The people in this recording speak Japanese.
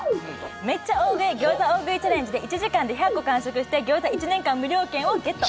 めっちゃ大食いギョーザ大食いチャレンジで１時間で１００個完食してギョーザ１年間無料券をゲット